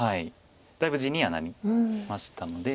だいぶ地にはなりましたので。